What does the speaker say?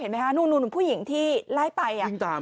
นู้นผู้หญิงที่ไล่ไป